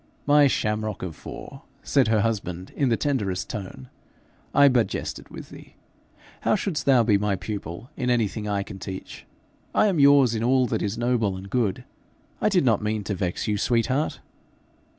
'My shamrock of four!' said her husband in the tenderest tone, 'I but jested with thee. How shouldst thou be my pupil in anything I can teach? I am yours in all that is noble and good. I did not mean to vex you, sweet heart.'